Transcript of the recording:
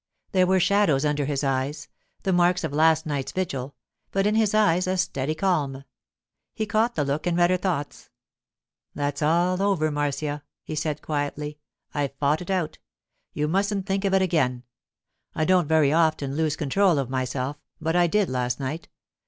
There were shadows under his eyes, the marks of last night's vigil; but in his eyes a steady calm. He caught the look and read her thoughts. 'That's all over, Marcia,' he said quietly. 'I've fought it out. You mustn't think of it again. I don't very often lose control of myself, but I did last night.